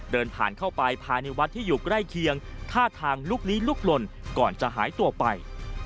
เดินผ่านเข้าไปภายในวัดที่อยู่ใกล้เคียงท่าทางลุกลี้ลุกลนก่อนจะหายตัวไป